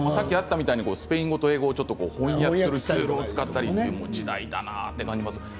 さっきあったようにスペイン語と英語を翻訳するツールを使ったり時代だなと思います。